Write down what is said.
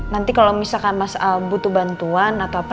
nanti kalo misalkan mas al butuh bantuan atau apa